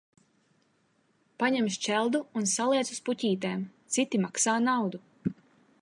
Paņem šķeldu un saliec uz puķītēm, citi maksā naudu.